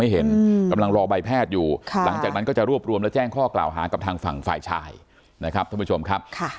หลังจากนั้นก็จะรวบรวมและแจ้งข้อกล่าวฮารกับทางฝั่งฝ่ายชายนะครับท่านผู้ชมครับ